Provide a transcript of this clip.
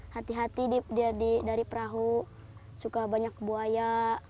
hati hati dari perahu suka banyak buaya